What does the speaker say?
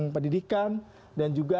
pendidikan dan juga